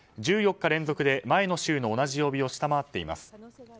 １４日連続で前の週の同じ曜日を下回っています。